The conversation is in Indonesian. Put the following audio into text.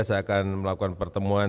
saya akan melakukan pertemuan